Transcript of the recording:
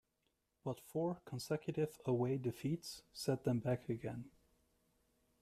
But four consecutive away defeats set them back again.